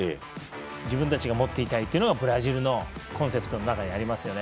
自分たちが持っていたいというのがブラジルのコンセプトにありますよね。